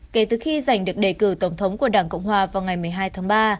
kể từ khi giành được đề cử tổng thống của đảng cộng hòa vào ngày một mươi hai tháng ba